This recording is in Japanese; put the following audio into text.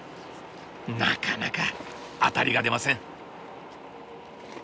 なかなかアタリが出ません。